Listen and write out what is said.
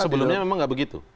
sebelumnya memang nggak begitu